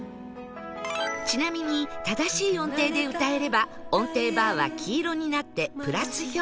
ちなみに正しい音程で歌えれば音程バーは黄色になってプラス評価